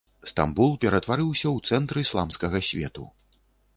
Стамбул ператварыўся ў цэнтр ісламскага свету.